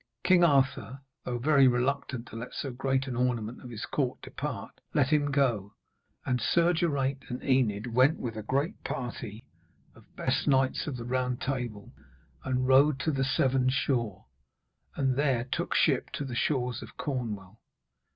King Arthur, though very reluctant to let so great an ornament of his court depart, let him go, and Geraint and Enid went with a great party of the best knights of the Round Table, and rode to the Severn Shore, and there took ship to the shores of Cornwall.